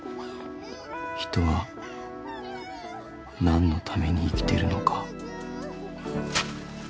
人はなんのために生きてるのか？